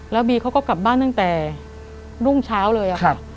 แล้วบีเขาก็กลับบ้านตั้งแต่รุ่งเช้าเลย